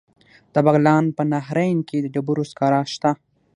د بغلان په نهرین کې د ډبرو سکاره شته.